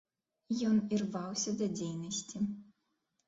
Ён ірваўся да дзейнасці.